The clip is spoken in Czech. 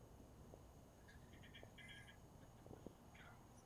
Spravuje ho Japan Foundation.